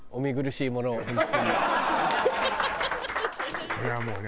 いやもうね。